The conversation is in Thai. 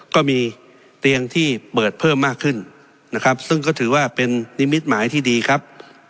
ก็มีเตียงที่เปิดเพิ่มมากขึ้นนะครับซึ่งก็ถือว่าเป็นนิมิตหมายที่ดีครับ